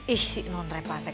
ih si non repatek